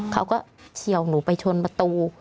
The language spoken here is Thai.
เขาก็เชียวหนูไปชนบัตรู